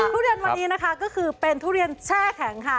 ทุเรียนวันนี้นะคะก็คือเป็นทุเรียนแช่แข็งค่ะ